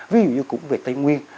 ví dụ như cũng về tây nguyên